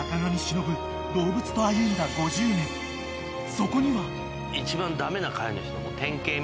そこには。